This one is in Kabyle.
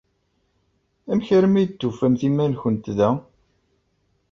Amek armi ay d-tufamt iman-nwent da?